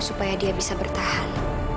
supaya dia bisa bertahan